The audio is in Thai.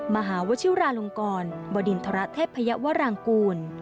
มหาวชิวราลงกรบดินทรเทพยวรางกูล